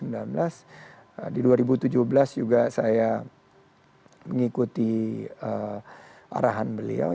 di dua ribu tujuh belas juga saya mengikuti arahan beliau